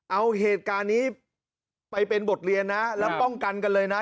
เอาเหตุการณ์นี้ไปเป็นบทเรียนนะแล้วป้องกันกันเลยนะ